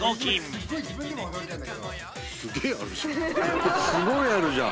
伊達：すごいあるじゃん！